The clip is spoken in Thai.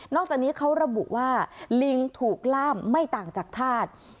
จากนี้เขาระบุว่าลิงถูกล่ามไม่ต่างจากธาตุ